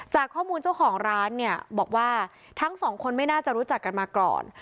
จากข้อมูลเจ้าของร้านเนี่ยบอกว่าทั้งสองคนไม่น่าจะรู้จักกันมาก่อน